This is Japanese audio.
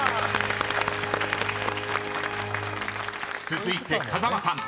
［続いて風間さん］